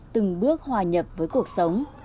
từng bước hòa nhập với cuộc sống